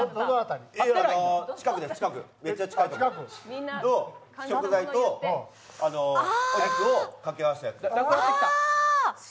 近くです、めっちゃ近くの食材とあれを掛け合わせたやつ。